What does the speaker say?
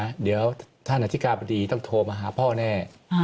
ว่าเดี๋ยวชอตต่อไปนะเดี๋ยวท่านอธิกาบดีต้องโทรมาหาพ่อแน่